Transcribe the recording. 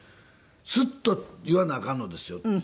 スッと言わなあかんのですよ。